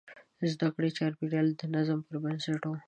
د زده کړې چاپېریال د نظم پر بنسټ و.